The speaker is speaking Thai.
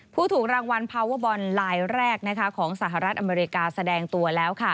ถูกรางวัลพาวเวอร์บอลลายแรกของสหรัฐอเมริกาแสดงตัวแล้ว